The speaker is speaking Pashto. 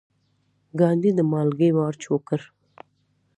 ګاندي د مالګې مارچ وکړ.